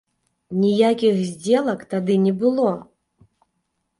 Ніякіх здзелак тады не было!